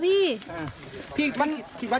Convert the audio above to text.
ไหนล่างเท้า